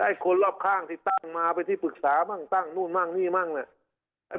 ได้คนรอบข้างที่ตั้งมาไปที่ปรึกษาบ้างตั้งนู่นบ้างนี่บ้างเนี่ย